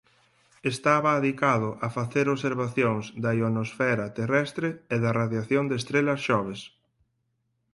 Estaba adicado a facer observacións da ionosfera terrestre e da radiación de estrelas xoves.